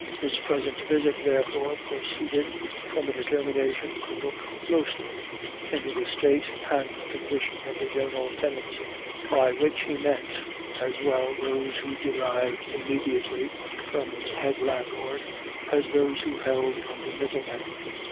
His present visit, therefore, proceeded from a determination to look closely into the state and condition of the general tenancy, by which he meant as well those who derived immediately from the head landlord, as those who held under middlemen.